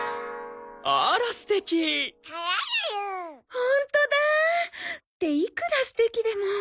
ホントだ。っていくら素敵でも。